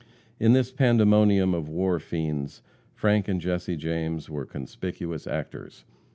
In this pandemonium of war fiends, Frank and Jesse James were conspicuous actors.